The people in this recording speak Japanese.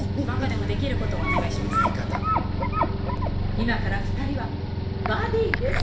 今から２人はバディです。